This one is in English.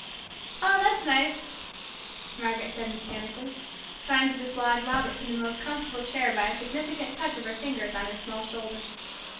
"Oh, that's nice!" Margaret said mechanically, trying to dislodge Robert from the most comfortable chair by a significant touch of her fingers on his small shoulder.